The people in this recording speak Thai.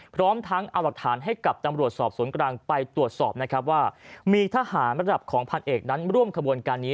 พร้อมทั้งเอาหลักฐานให้กับตำรวจสอบสนกรางไปตรวจสอบ